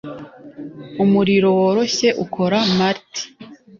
umuriro woroshye ukora malt.